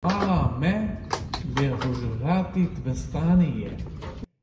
Mala me li rojhilatê dibistanê ye.